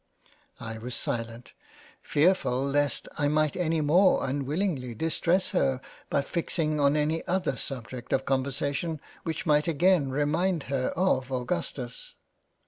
29 £ JANE AUSTEN I was silent, fearfull lest I might any more unwillingly distress her by fixing on any other subject of conversation which might again remind her of Augustus.